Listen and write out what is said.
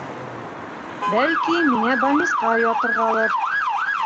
Бәлки, миңә больнисҡа ятырғалыр?